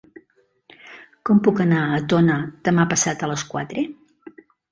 Com puc anar a Tona demà passat a les quatre?